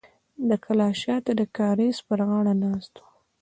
د کلا شاته د کاریز پر غاړه ناست و.